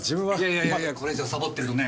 いやいやいやこれ以上サボってるとね